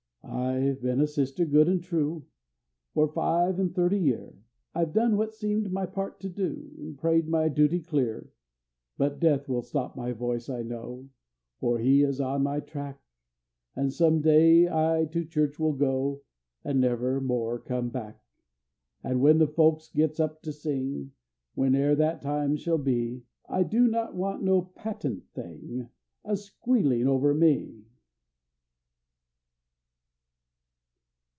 I've been a sister, good an' true, For five an' thirty year; I've done what seemed my part to do, An' prayed my duty clear; But Death will stop my voice, I know, For he is on my track; And some day I to church will go, And never more come back; And when the folks gets up to sing Whene'er that time shall be I do not want no patent thing A squealin' over me!